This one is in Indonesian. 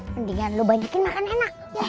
mendingan lu banyakin makan enak